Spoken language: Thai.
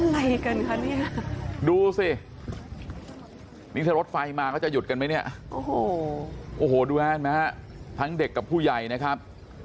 เห็นไหมฮะทั้งเด็กกับผู้ใหญ่นะครับ